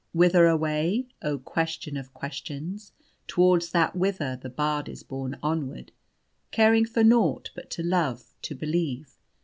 'Whither away?' oh, question of questions Towards that 'Whither,' the Bard is borne onward, Caring for nought but to love, to believe.